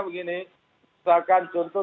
begini misalkan contoh